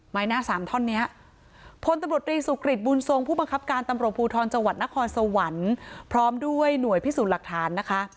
ไม้หน้าสามท่อนนี้พลตำรวจรีสุกริตบุญทรงผู้บังคับการตำรวจภูทรจังหวัดนครสวรรค์พร้อมด้วยหน่วยพิสูจน์หลักฐานนะคะ